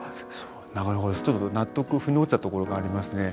ちょっと納得腑に落ちたところがありますね。